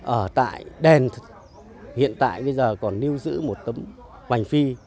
ở tại đền hiện tại bây giờ còn nêu giữ một tấm hoành phi